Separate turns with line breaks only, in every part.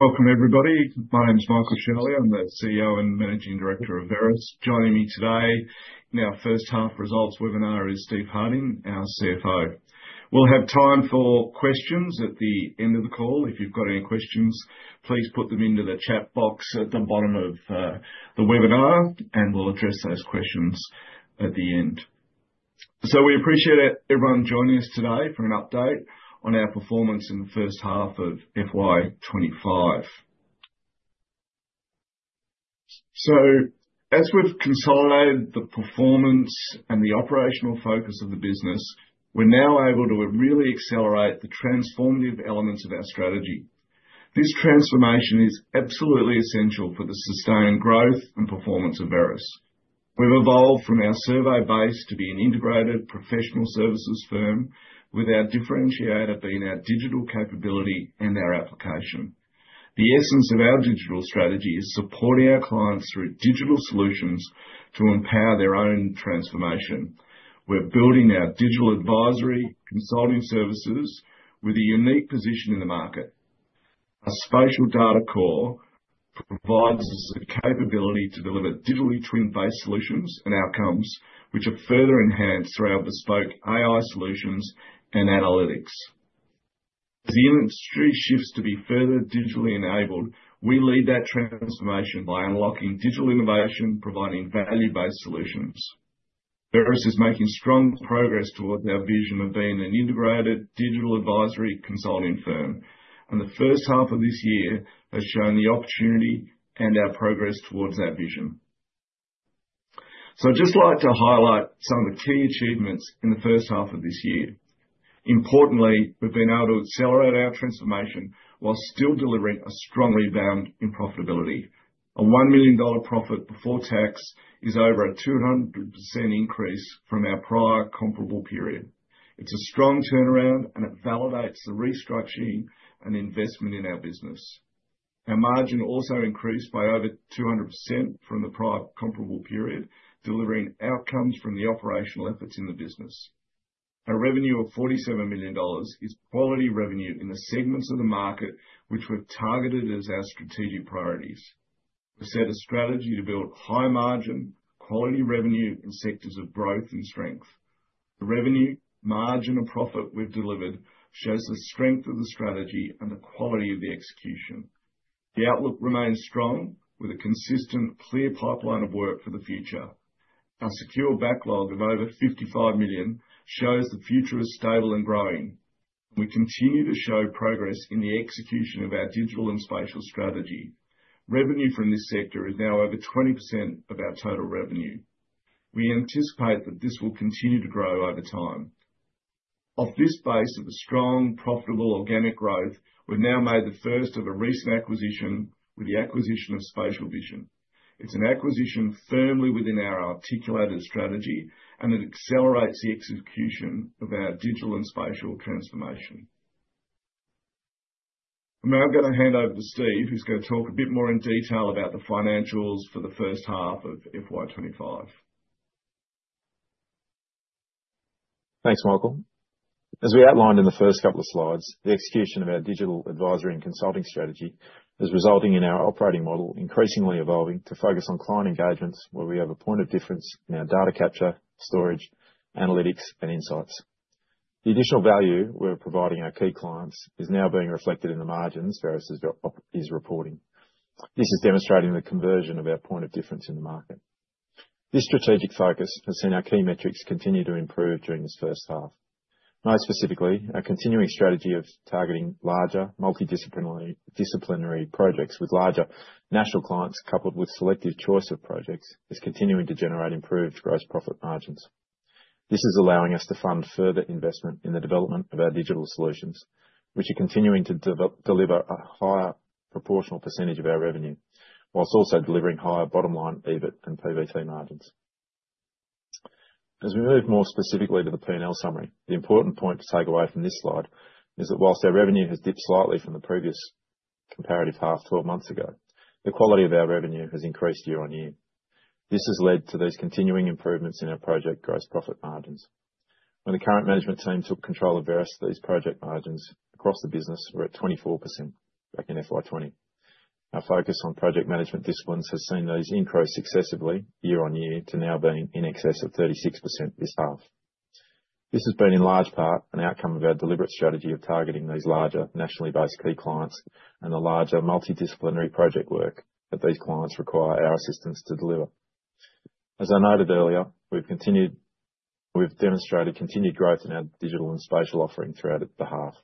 Welcome, everybody. My name's Michael Shirley. I'm the CEO and Managing Director of Veris. Joining me today in our First Half Results webinar is Steve Harding, our CFO. We'll have time for questions at the end of the call. If you've got any questions, please put them into the chat box at the bottom of the webinar, and we'll address those questions at the end. We appreciate everyone joining us today for an update on our performance in the first half of FY 2025. As we've consolidated the performance and the operational focus of the business, we're now able to really accelerate the transformative elements of our strategy. This transformation is absolutely essential for the sustained growth and performance of Veris. We've evolved from our survey base to be an integrated professional services firm, with our differentiator being our digital capability and our application. The essence of our digital strategy is supporting our clients through digital solutions to empower their own transformation. We're building our digital advisory consulting services with a unique position in the market. Our spatial data core provides us the capability to deliver digital twin-based solutions and outcomes, which are further enhanced through our bespoke AI solutions and analytics. As the industry shifts to be further digitally enabled, we lead that transformation by unlocking digital innovation, providing value-based solutions. Veris is making strong progress towards our vision of being an integrated digital advisory consulting firm, and the first half of this year has shown the opportunity and our progress towards that vision. So I'd just like to highlight some of the key achievements in the first half of this year. Importantly, we've been able to accelerate our transformation while still delivering a strong rebound in profitability. Our 1 million dollar profit before tax is over a 200% increase from our prior comparable period. It's a strong turnaround, and it validates the restructuring and investment in our business. Our margin also increased by over 200% from the prior comparable period, delivering outcomes from the operational efforts in the business. Our revenue of 47 million dollars is quality revenue in the segments of the market which we've targeted as our strategic priorities. We've set a strategy to build high margin, quality revenue in sectors of growth and strength. The revenue, margin, and profit we've delivered shows the strength of the strategy and the quality of the execution. The outlook remains strong, with a consistent, clear pipeline of work for the future. Our secure backlog of over 55 million shows the future is stable and growing, and we continue to show progress in the execution of our digital and spatial strategy. Revenue from this sector is now over 20% of our total revenue. We anticipate that this will continue to grow over time. Off this base of a strong, profitable organic growth, we've now made the first of a recent acquisition with the acquisition of Spatial Vision. It's an acquisition firmly within our articulated strategy, and it accelerates the execution of our digital and spatial transformation. I'm now going to hand over to Steve, who's going to talk a bit more in detail about the financials for the first half of FY 2025.
Thanks, Michael. As we outlined in the first couple of slides, the execution of our digital advisory and consulting strategy is resulting in our operating model increasingly evolving to focus on client engagements, where we have a point of difference in our data capture, storage, analytics, and insights. The additional value we're providing our key clients is now being reflected in the margins Veris is reporting. This is demonstrating the conversion of our point of difference in the market. This strategic focus has seen our key metrics continue to improve during this first half. Most specifically, our continuing strategy of targeting larger, multidisciplinary projects with larger national clients, coupled with selective choice of projects, is continuing to generate improved gross profit margins. This is allowing us to fund further investment in the development of our digital solutions, which are continuing to deliver a higher proportional percentage of our revenue, while also delivering higher bottom-line EBIT and PBT margins. As we move more specifically to the P&L summary, the important point to take away from this slide is that while our revenue has dipped slightly from the previous comparative half 12 months ago, the quality of our revenue has increased year-on-year. This has led to these continuing improvements in our project gross profit margins. When the current management team took control of Veris, these project margins across the business were at 24% back in FY 2020. Our focus on project management disciplines has seen these increase successively year-on-year to now being in excess of 36% this half. This has been, in large part, an outcome of our deliberate strategy of targeting these larger nationally based key clients and the larger multidisciplinary project work that these clients require our assistance to deliver. As I noted earlier, we've demonstrated continued growth in our digital and spatial offering throughout the half,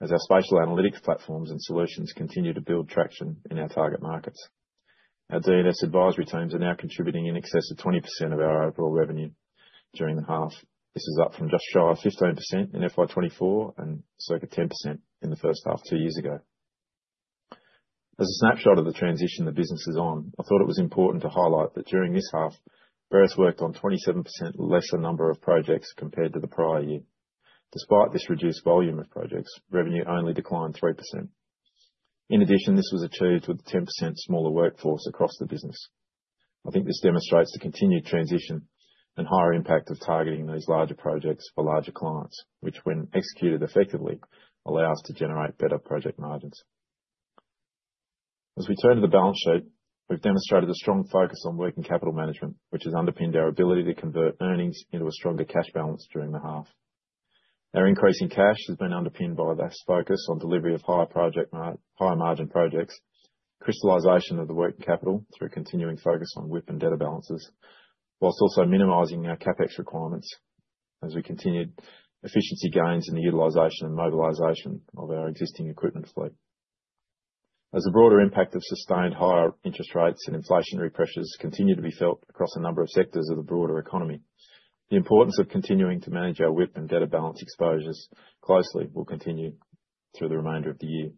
as our spatial analytics platforms and solutions continue to build traction in our target markets. Our D&S advisory teams are now contributing in excess of 20% of our overall revenue during the half. This is up from just shy of 15% in FY 2024 and circa 10% in the first half two years ago. As a snapshot of the transition the business is on, I thought it was important to highlight that during this half, Veris worked on 27% lesser number of projects compared to the prior year. Despite this reduced volume of projects, revenue only declined 3%. In addition, this was achieved with a 10% smaller workforce across the business. I think this demonstrates the continued transition and higher impact of targeting these larger projects for larger clients, which, when executed effectively, allow us to generate better project margins. As we turn to the balance sheet, we've demonstrated a strong focus on working capital management, which has underpinned our ability to convert earnings into a stronger cash balance during the half. Our increase in cash has been underpinned by this focus on delivery of higher project margin projects, crystallization of the working capital through continuing focus on WIP and debtor balances, while also minimizing our CapEx requirements as we continued efficiency gains in the utilization and mobilization of our existing equipment fleet. As the broader impact of sustained higher interest rates and inflationary pressures continue to be felt across a number of sectors of the broader economy, the importance of continuing to manage our WIP and debtor balance exposures closely will continue through the remainder of the year.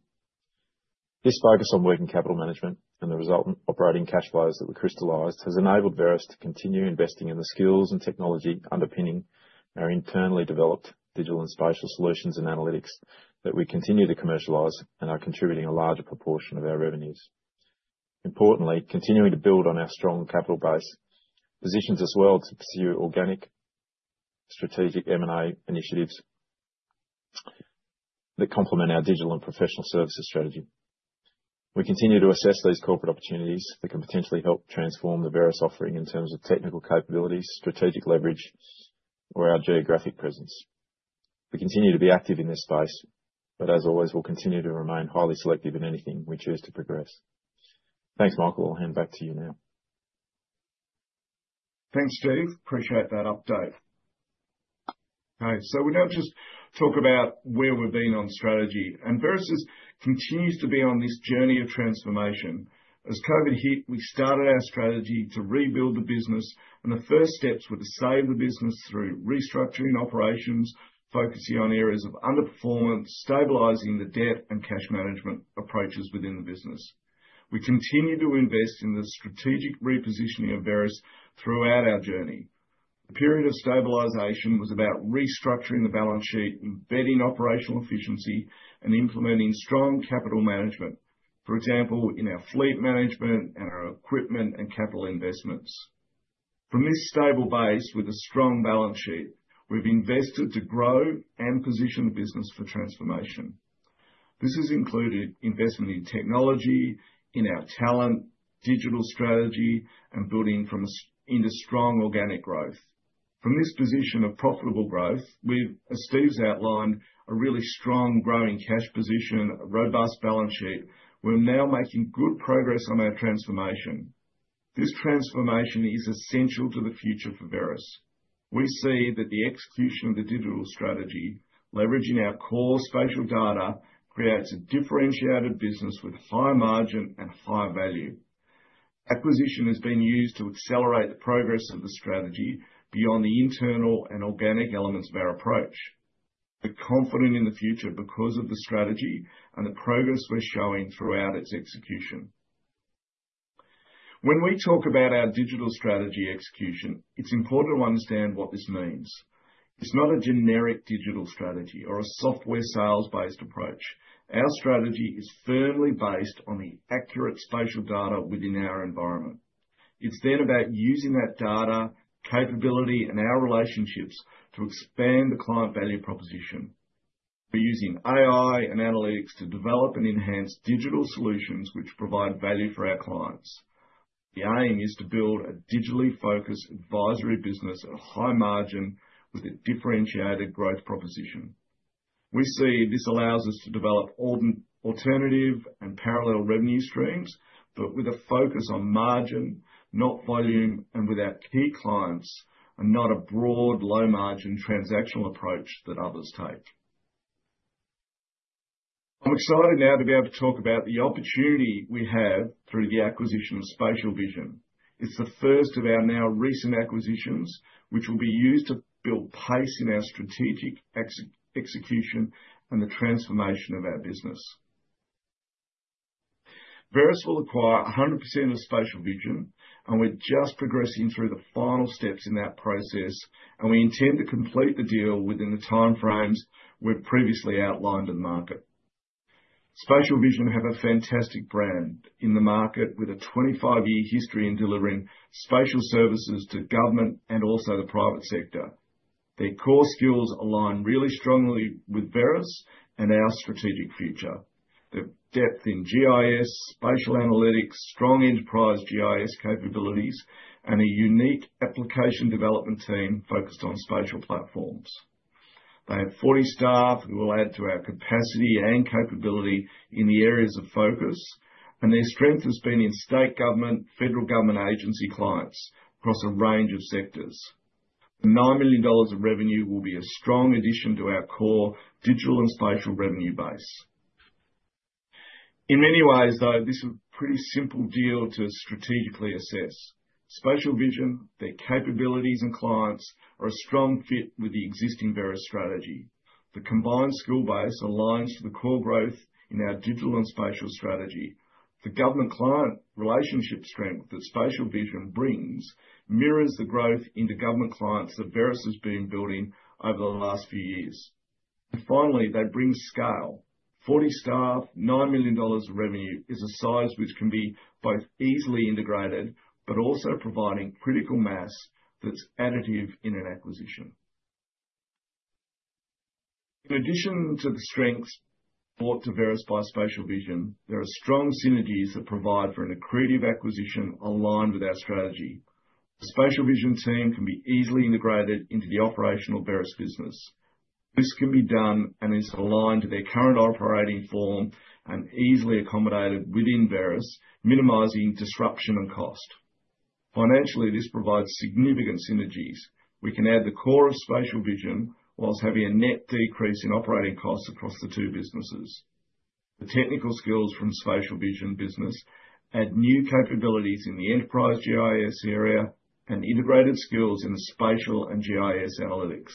This focus on working capital management and the resultant operating cash flows that we crystallized has enabled Veris to continue investing in the skills and technology underpinning our internally developed digital and spatial solutions and analytics that we continue to commercialize and are contributing a larger proportion of our revenues. Importantly, continuing to build on our strong capital base positions us well to pursue organic strategic M&A initiatives that complement our digital and professional services strategy. We continue to assess these corporate opportunities that can potentially help transform the Veris offering in terms of technical capabilities, strategic leverage, or our geographic presence. We continue to be active in this space, but as always, we'll continue to remain highly selective in anything we choose to progress. Thanks, Michael. I'll hand back to you now.
Thanks, Steve. Appreciate that update. Okay, so we'll now just talk about where we've been on strategy, and Veris continues to be on this journey of transformation. As COVID hit, we started our strategy to rebuild the business, and the first steps were to save the business through restructuring operations, focusing on areas of underperformance, stabilizing the debt and cash management approaches within the business. We continue to invest in the strategic repositioning of Veris throughout our journey. The period of stabilization was about restructuring the balance sheet, embedding operational efficiency, and implementing strong capital management, for example, in our fleet management and our equipment and capital investments. From this stable base with a strong balance sheet, we've invested to grow and position the business for transformation. This has included investment in technology, in our talent, digital strategy, and building into strong organic growth. From this position of profitable growth, we've, as Steve's outlined, a really strong growing cash position, a robust balance sheet. We're now making good progress on our transformation. This transformation is essential to the future for Veris. We see that the execution of the digital strategy, leveraging our core spatial data, creates a differentiated business with high margin and high value. Acquisition has been used to accelerate the progress of the strategy beyond the internal and organic elements of our approach. We're confident in the future because of the strategy and the progress we're showing throughout its execution. When we talk about our digital strategy execution, it's important to understand what this means. It's not a generic digital strategy or a software sales-based approach. Our strategy is firmly based on the accurate spatial data within our environment. It's then about using that data, capability, and our relationships to expand the client value proposition. We're using AI and analytics to develop and enhance digital solutions which provide value for our clients. The aim is to build a digitally focused advisory business at a high margin with a differentiated growth proposition. We see this allows us to develop alternative and parallel revenue streams, but with a focus on margin, not volume, and with our key clients, and not a broad low-margin transactional approach that others take. I'm excited now to be able to talk about the opportunity we have through the acquisition of Spatial Vision. It's the first of our now recent acquisitions, which will be used to build pace in our strategic execution and the transformation of our business. Veris will acquire 100% of Spatial Vision, and we're just progressing through the final steps in that process, and we intend to complete the deal within the timeframes we've previously outlined in the market. Spatial Vision have a fantastic brand in the market with a 25-year history in delivering spatial services to government and also the private sector. Their core skills align really strongly with Veris and our strategic future. Their depth in GIS, spatial analytics, strong enterprise GIS capabilities, and a unique application development team focused on spatial platforms. They have 40 staff who will add to our capacity and capability in the areas of focus, and their strength has been in state government, federal government agency clients across a range of sectors. The 9 million dollars of revenue will be a strong addition to our core digital and spatial revenue base. In many ways, though, this is a pretty simple deal to strategically assess. Spatial Vision, their capabilities and clients, are a strong fit with the existing Veris strategy. The combined skill base aligns to the core growth in our digital and spatial strategy. The government client relationship strength that Spatial Vision brings mirrors the growth in the government clients that Veris has been building over the last few years, and finally, they bring scale. 40 staff, 9 million dollars of revenue is a size which can be both easily integrated but also providing critical mass that's additive in an acquisition. In addition to the strengths brought to Veris by Spatial Vision, there are strong synergies that provide for an accretive acquisition aligned with our strategy. The Spatial Vision team can be easily integrated into the operational Veris business. This can be done and is aligned to their current operating form and easily accommodated within Veris, minimizing disruption and cost. Financially, this provides significant synergies. We can add the core of Spatial Vision while having a net decrease in operating costs across the two businesses. The technical skills from Spatial Vision business add new capabilities in the enterprise GIS area and integrated skills in the spatial and GIS analytics.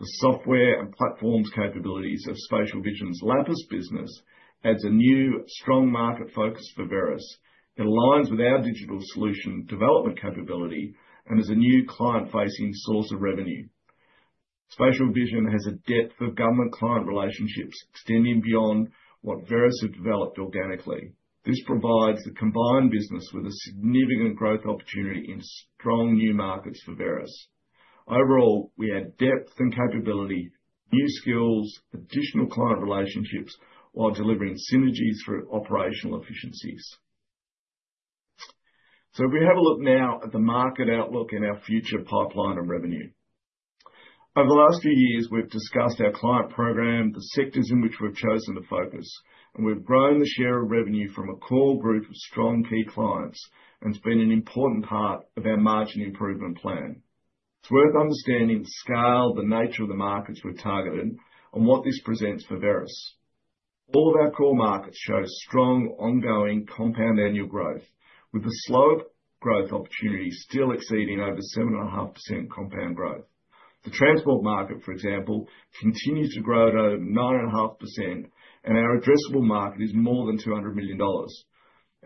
The software and platforms capabilities of Spatial Vision's Lapis business add a new strong market focus for Veris. It aligns with our digital solution development capability and is a new client-facing source of revenue. Spatial Vision has a depth of government client relationships extending beyond what Veris have developed organically. This provides the combined business with a significant growth opportunity in strong new markets for Veris. Overall, we add depth and capability, new skills, additional client relationships while delivering synergies through operational efficiencies. So if we have a look now at the market outlook and our future pipeline of revenue. Over the last few years, we've discussed our client program, the sectors in which we've chosen to focus, and we've grown the share of revenue from a core group of strong key clients and it's been an important part of our margin improvement plan. It's worth understanding the scale, the nature of the markets we've targeted, and what this presents for Veris. All of our core markets show strong ongoing compound annual growth, with the slow growth opportunity still exceeding over 7.5% compound growth. The transport market, for example, continues to grow at over 9.5%, and our addressable market is more than 200 million dollars.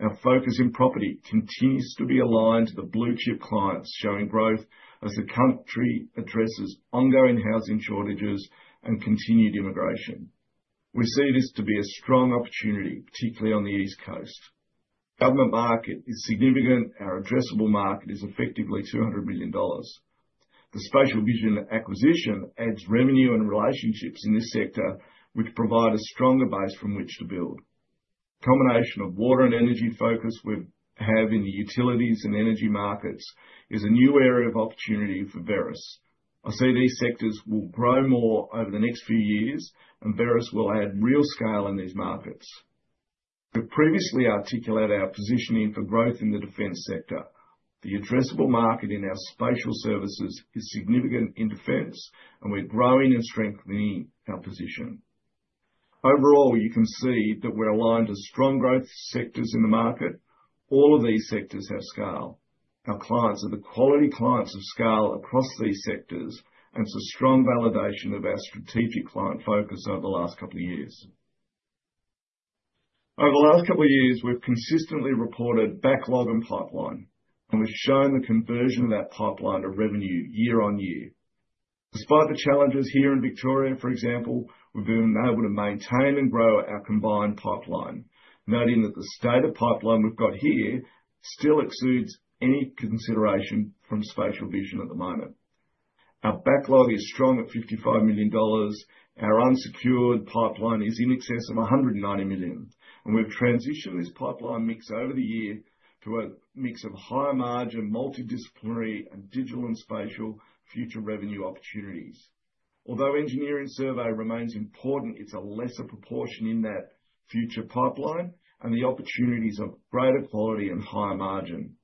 Our focus in property continues to be aligned to the blue-chip clients, showing growth as the country addresses ongoing housing shortages and continued immigration. We see this to be a strong opportunity, particularly on the East Coast. Government market is significant. Our addressable market is effectively 200 million dollars. The Spatial Vision acquisition adds revenue and relationships in this sector, which provide a stronger base from which to build. The combination of water and energy focus we have in the utilities and energy markets is a new area of opportunity for Veris. I see these sectors will grow more over the next few years, and Veris will add real scale in these markets. We've previously articulated our positioning for growth in the defense sector. The addressable market in our spatial services is significant in defense, and we're growing and strengthening our position. Overall, you can see that we're aligned to strong growth sectors in the market. All of these sectors have scale. Our clients are the quality clients of scale across these sectors, and it's a strong validation of our strategic client focus over the last couple of years. Over the last couple of years, we've consistently reported backlog and pipeline, and we've shown the conversion of that pipeline to revenue year-on-year. Despite the challenges here in Victoria, for example, we've been able to maintain and grow our combined pipeline, noting that the state of pipeline we've got here still exceeds any consideration from Spatial Vision at the moment. Our backlog is strong at 55 million dollars. Our unsecured pipeline is in excess of 190 million, and we've transitioned this pipeline mix over the year to a mix of high margin, multidisciplinary, and digital and spatial future revenue opportunities. Although engineering survey remains important, it's a lesser proportion in that future pipeline and the opportunities of greater quality and higher margin.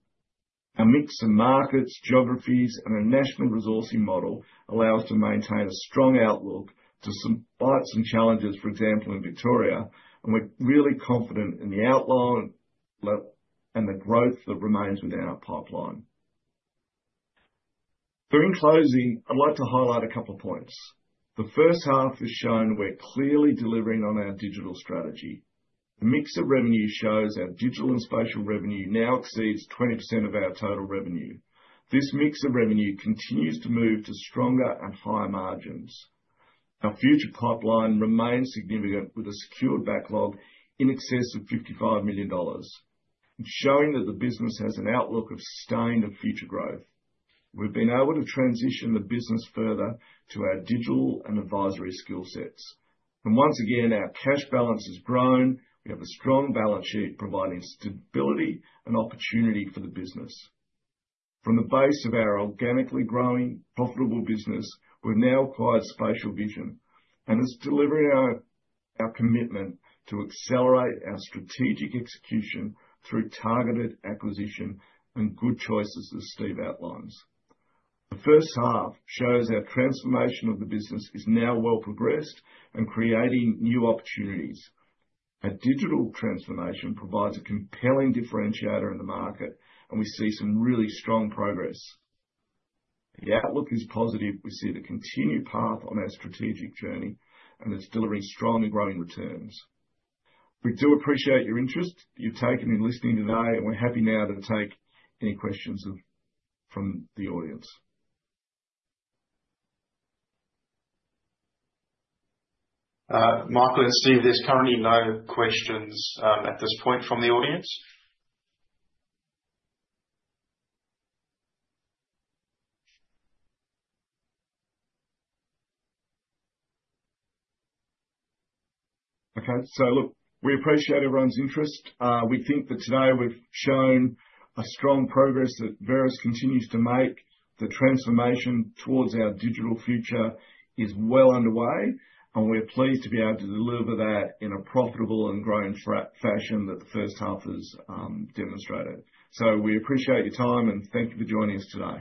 Our mix of markets, geographies, and our national resourcing model allow us to maintain a strong outlook despite some challenges, for example, in Victoria, and we're really confident in the outlook and the growth that remains within our pipeline. So in closing, I'd like to highlight a couple of points. The first half has shown we're clearly delivering on our digital strategy. The mix of revenue shows our digital and spatial revenue now exceeds 20% of our total revenue. This mix of revenue continues to move to stronger and higher margins. Our future pipeline remains significant with a secured backlog in excess of 55 million dollars. It's showing that the business has an outlook of sustained and future growth. We've been able to transition the business further to our digital and advisory skill sets. And once again, our cash balance has grown. We have a strong balance sheet providing stability and opportunity for the business. From the base of our organically growing profitable business, we've now acquired Spatial Vision, and it's delivering our commitment to accelerate our strategic execution through targeted acquisition and good choices, as Steve outlines. The first half shows our transformation of the business is now well progressed and creating new opportunities. Our digital transformation provides a compelling differentiator in the market, and we see some really strong progress. The outlook is positive. We see the continued path on our strategic journey, and it's delivering strong and growing returns. We do appreciate your interest that you've taken in listening today, and we're happy now to take any questions from the audience.
Michael and Steve, there's currently no questions at this point from the audience.
Okay, so look, we appreciate everyone's interest. We think that today we've shown a strong progress that Veris continues to make. The transformation towards our digital future is well underway, and we're pleased to be able to deliver that in a profitable and growing fashion that the first half has demonstrated. So we appreciate your time, and thank you for joining us today.